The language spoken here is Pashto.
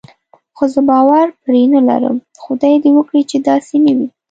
خو زه باور پرې نه لرم، خدای دې وکړي چې داسې نه وي.